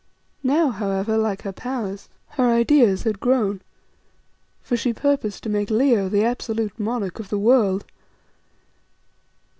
Now, however, like her powers, her ideas had grown, for she purposed to make Leo the absolute monarch of the world.